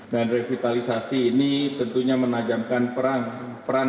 dan revitalisasi ini tentunya menajamkan peran